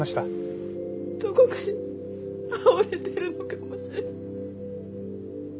どこかで倒れてるのかもしれない。